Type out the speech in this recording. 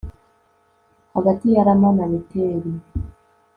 hagati ya rama na beteli